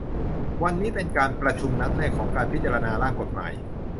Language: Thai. วันนี้เป็นการประชุมนัดแรกของการพิจารณาร่างกฎหมาย